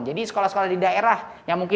jadi sekolah sekolah di daerah yang mungkin